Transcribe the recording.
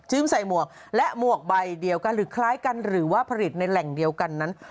ใส่หมวกและหมวกใบเดียวกันหรือคล้ายกันหรือว่าผลิตในแหล่งเดียวกันนั้น